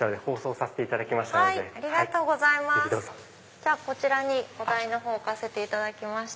じゃあこちらにお代のほう置かせていただきました。